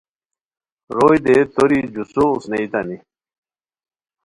روئے دے توری جوسو اوسنیتانی